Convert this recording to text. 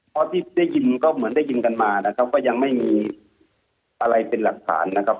เพราะที่ได้ยินก็เหมือนได้ยินกันมานะครับก็ยังไม่มีอะไรเป็นหลักฐานนะครับ